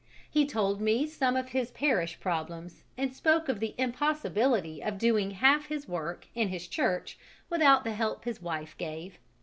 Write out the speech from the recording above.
He told me some of his parish problems and spoke of the impossibility of doing half his work in his Church without the help his wife gave.